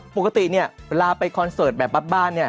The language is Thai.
ปกติเนี่ยเวลาไปคอนเสิร์ตแบบบ้านเนี่ย